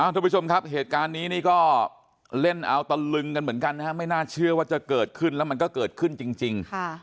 ทุกผู้ชมครับเหตุการณ์นี้นี่ก็เล่นเอาตะลึงกันเหมือนกันนะฮะไม่น่าเชื่อว่าจะเกิดขึ้นแล้วมันก็เกิดขึ้นจริง